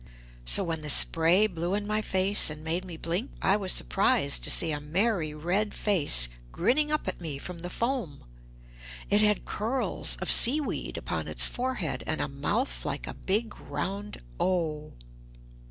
So when the spray blew in my face and made me blink, I was surprised to see a merry red face grinning up at me from the foam. It had curls of seaweed upon its forehead, and a mouth like a big round "O".